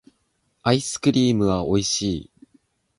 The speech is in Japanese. アイスクリームはおいしい